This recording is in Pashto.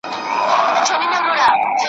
که ناوخته درته راغلم بهانې چي هېر مي نه کې `